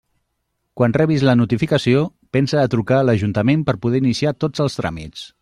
Quan rebis la notificació, pensa a trucar a l'ajuntament per poder iniciar tots els tràmits.